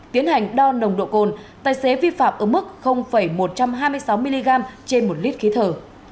tiến hành đo nồng độ cồn tài xế vi phạm ở mức một trăm hai mươi sáu mg trên một lít khí thở